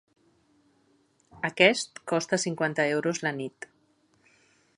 Aquest costa cinquanta euros la nit.